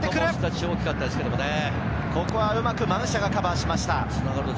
ここはうまくマンシャがカバーしました。